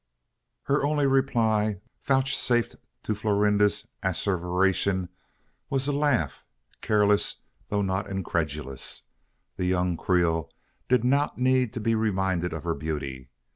Her only reply vouchsafed to Florinda's earnest asseveration was a laugh careless, though not incredulous. The young Creole did not need to be reminded of her beauty.